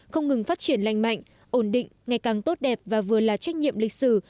không ngừng phát triển lành mạnh ổn định ngày càng tốt đẹp và vừa là trách nhiệm lịch sử